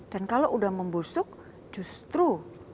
dan kalau sudah membusuk justru